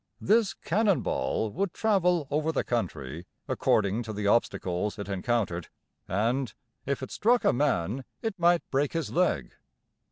This "cannon ball" would travel over the country according to the obstacles it encountered and, "if it struck a man, it might break his leg."